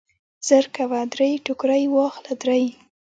زرکوه درې ټوکرۍ واخله درې.